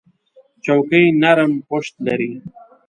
چوکۍ نرم پُشت لري.